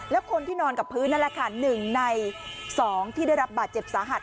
แล้วคนที่นอนกับพื้นนั่นแหละค่ะ๑ใน๒ที่ได้รับบาดเจ็บสาหัส